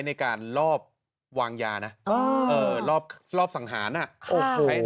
ในการลอบวางยาลอบสั่งหาเนี่ย